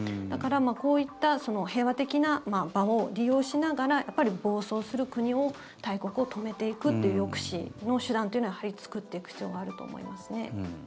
だから、こういった平和的な場を利用しながら暴走する国を、大国を止めていくという抑止の手段というのはやはり作っていく必要があると思いますね。